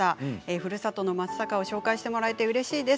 ふるさとの松阪を紹介してもらえてうれしいです。